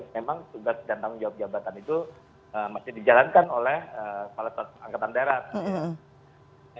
memang sudah sedang menjawab jabatan itu masih dijalankan oleh kepala staf angkatan daerah